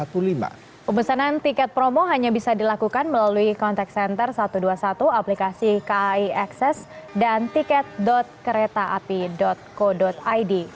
pembesanan tiket promo hanya bisa dilakukan melalui kontak senter satu ratus dua puluh satu aplikasi kai akses dan tiket keretaapi co id